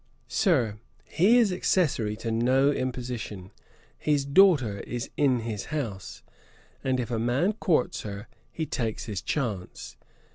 'Sir, he is accessory to no imposition. His daughter is in his house; and if a man courts her, he takes his chance.